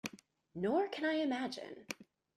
Nor can I imagine.